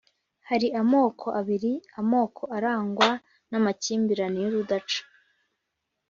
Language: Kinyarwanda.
hari amoko abiri amoko arangwa n'amakimbirane y'urudaca.